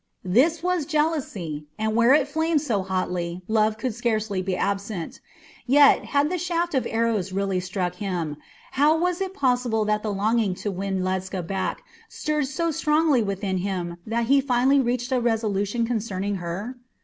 This was jealousy, and where it flamed so hotly love could scarcely be absent. Yet, had the shaft of Eros really struck him, how was it possible that the longing to win Ledscha back stirred so strongly within him that he finally reached a resolution concerning her?